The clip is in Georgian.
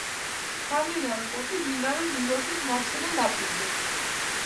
სამდინარო პორტი მდინარე ნილოსის მარცხენა ნაპირზე.